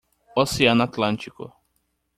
Oceano Atlântico.